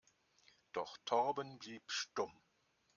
Doch Torben blieb stumm.